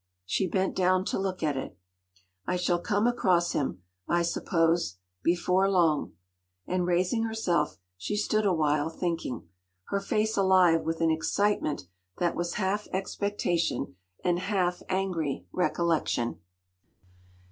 She bent down to look at it. “I shall come across him I suppose—before long.” And raising herself, she stood awhile, thinking; her face alive with an excitement that was half expectation, and half angry recollection.